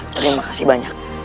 terima kasih banyak